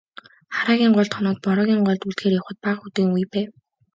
Хараагийн голд хоноод, Бороогийн голд үлдэхээр явахад бага үдийн үе байв.